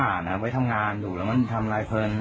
อ่านครับมาทำงานดูแล้วมันจะทำอะไรเพิ่ม